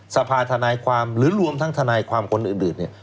สภาธนายความหรือรวมทั้งทนายความคนอื่นเนี่ย